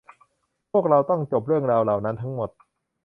พวกเราต้องจบเรื่องราวเหล่านั้นทั้งหมด